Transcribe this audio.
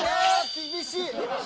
厳しい。